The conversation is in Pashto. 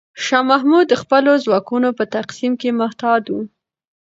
شاه محمود د خپلو ځواکونو په تقسیم کې محتاط و.